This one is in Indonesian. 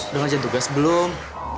lo gak jantung gas belum